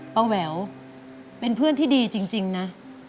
แหววเป็นเพื่อนที่ดีจริงนะ